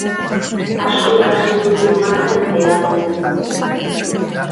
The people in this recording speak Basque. Asko ikasi dut filmatzen eta idazten.